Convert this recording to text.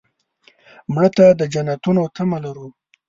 مړه ته د جنتونو تمه لرو